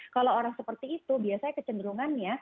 kalau orang seperti itu biasanya kecenderungannya